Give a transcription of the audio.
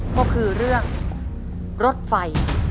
ก็คือเรื่องรถไฟ